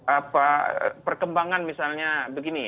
apa perkembangan misalnya begini